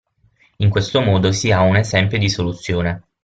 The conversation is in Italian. In questo modo si ha un esempio di soluzione.